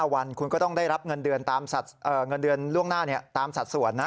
๕วันคุณก็ต้องได้รับเงินเดือนล่วงหน้าเนี่ยตามสัดส่วนนะ